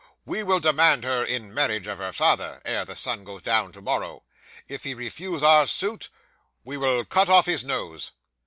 "We will demand her in marriage of her father, ere the sun goes down tomorrow. If he refuse our suit, we will cut off his nose."